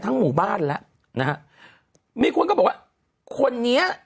หมู่บ้านแล้วนะฮะมีคนก็บอกว่าคนนี้